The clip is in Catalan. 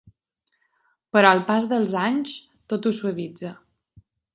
Però el pas dels anys tot ho suavitza.